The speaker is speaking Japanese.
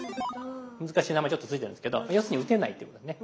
難しい名前ちょっと付いてるんですけど要するに打てないというね。